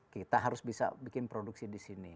kita harus bisa bikin produksi di sini